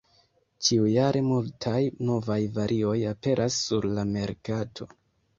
Ĉiujare multaj novaj varioj aperas sur la merkato.